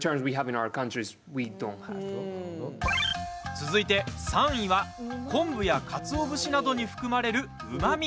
続いて３位は昆布やかつお節などに含まれるうまみ。